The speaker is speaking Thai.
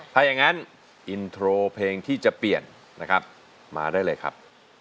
ถ้าอย่างนั้นอินโทรเพลงที่จะเปลี่ยนนะครับมาได้เลยครับ